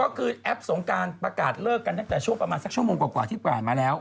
ก็คือแอปสงการประกาศเลิกกันตั้งแต่ช่วงประมาณสักชั่วโมงกว่าที่ผ่านมาแล้ว